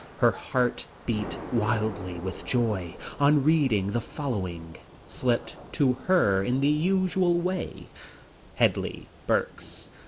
Her heart beat wildly with joy on reading the following, slipped to her in the usual way: "Hedley, Berks.